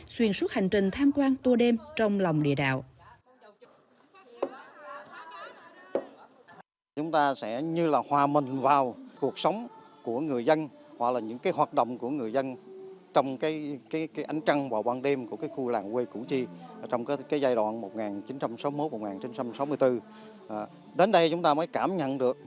xuyên suốt hành trình tham quan tùa đêm trong lòng địa đạo